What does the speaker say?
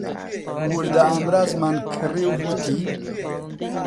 وردە ئامرازمان کڕی و گوتی: